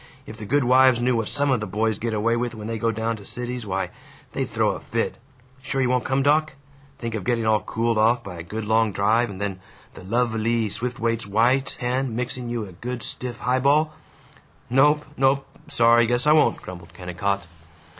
If the good wives knew what some of the boys get away with when they go down to the Cities, why, they'd throw a fit! Sure you won't come, doc? Think of getting all cooled off by a good long drive, and then the lov e ly Swiftwaite's white hand mixing you a good stiff highball!" "Nope. Nope. Sorry. Guess I won't," grumbled Kennicott.